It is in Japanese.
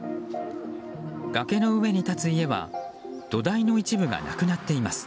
崖の上に立つ家は土台の一部がなくなっています。